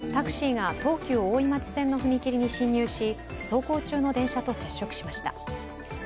今朝、東京・世田谷区でタクシーが東急大井町線の踏切に進入し走行中の電車と接触しました。